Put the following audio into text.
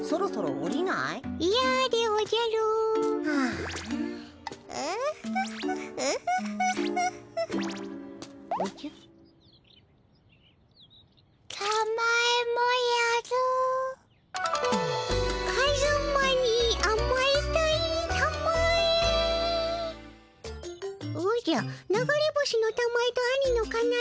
おじゃ流れ星のたまえと兄のかなえ。